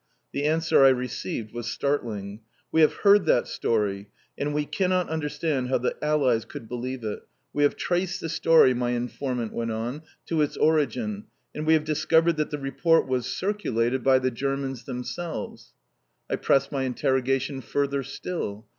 The answer I received was startling. "We have heard that story. And we cannot understand how the Allies could believe it. We have traced the story," my informant went on, "to its origin and we have discovered that the report was circulated by the Germans themselves." I pressed my interrogation further still.